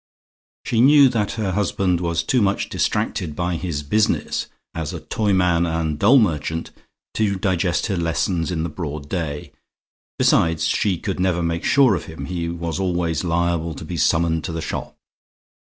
She knew that her husband was too much distracted by his business as toyman and doll merchant to digest her lessons in the broad day. Besides, she could never make sure of him: he was always liable to be summoned to the shop.